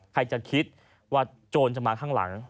ใครจะคิดว่าโจรจะมาข้างหลัง